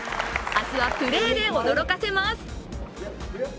明日はプレーで驚かせます。